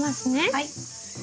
はい。